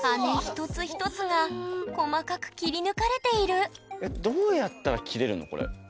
一つ一つが細かく切り抜かれているえっどうやったら切れるのこれ。